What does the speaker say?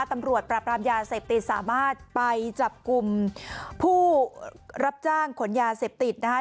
ตำรวจปราบรามยาเสพติดสามารถไปจับกลุ่มผู้รับจ้างขนยาเสพติดนะคะ